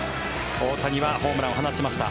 大谷はホームランを放ちました。